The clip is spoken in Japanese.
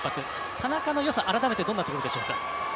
田中のよさ、改めてどんなところでしょうか？